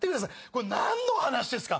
これ何の話ですか？